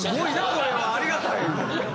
これはありがたい。